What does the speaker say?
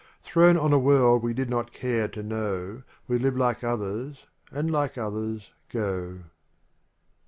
Thrown on a world we did not care to know We live like others and like others go.